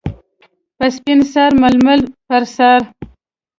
- په سپین سر ململ پر سر.